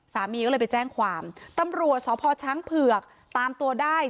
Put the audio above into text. สามีก็เลยไปแจ้งความตำรวจสพช้างเผือกตามตัวได้